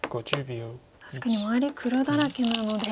確かに周り黒だらけなので。